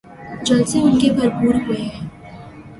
جلسے ان کے بھرپور ہوئے ہیں۔